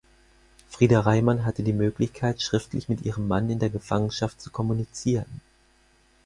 Frida Reimann hatte die Möglichkeit, schriftlich mit ihrem Mann in der Gefangenschaft zu kommunizieren.